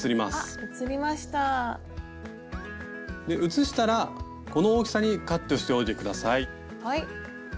写したらこの大きさにカットしておいて下さい。